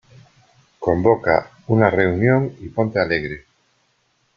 Convoca una reunión y ponte alegre.